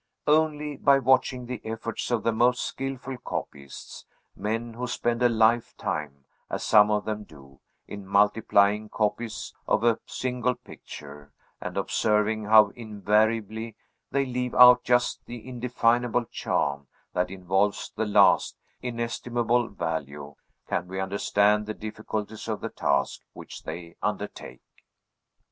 Only by watching the efforts of the most skilful copyists men who spend a lifetime, as some of them do, in multiplying copies of a single picture and observing how invariably they leave out just the indefinable charm that involves the last, inestimable value, can we understand the difficulties of the task which they undertake.